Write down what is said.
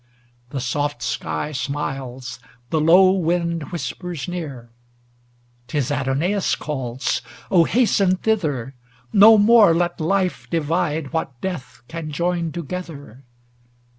The soft sky smiles, ŌĆö the low wind whispers near; 'T is Adonais calls ! oh, hasten thither, No more let Life divide what Death can join together.